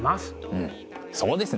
うんそうですね！